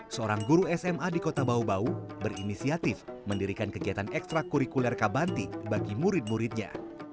seorang guru sma di kota bau bau berinisiatif mendirikan kegiatan ekstra kurikuler kabanti bagi murid muridnya